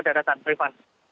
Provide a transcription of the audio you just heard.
dan datang privan